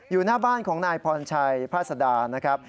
อยู่หน้าบ้านของนายพรชัยพาสดานะครับ